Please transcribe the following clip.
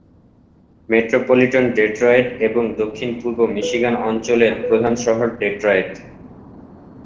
Metropolitan Detroit এবং দক্ষিণ-পূর্ব Michigan অঞ্চলের প্রধান শহর ডেট্রয়েট।